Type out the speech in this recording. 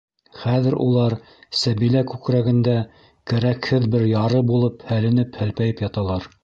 Хәҙер улар Сәбилә күкрәгендә кәрәкһеҙ бер яры булып, һәленеп-һәлпәйеп яталар.